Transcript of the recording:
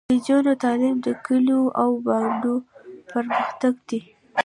د نجونو تعلیم د کلیو او بانډو پرمختګ دی.